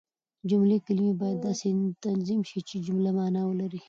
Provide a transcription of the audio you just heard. د جملې کلیمې باید داسي تنظیم سي، چي جمله مانا ولري.